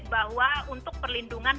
bahwa untuk perlindungan